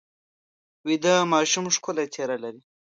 ویده ماشوم ښکلې څېره لري